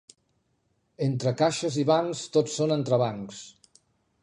Entre caixes i bancs tot són entrebancs.